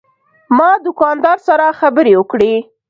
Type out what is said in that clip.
ما د دوکاندار سره خبرې وکړې.